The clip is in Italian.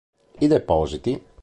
I depositi.